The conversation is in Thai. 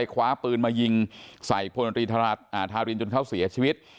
คว้าปืนมายิงใส่พลตรีธารินจนเขาเสียชีวิต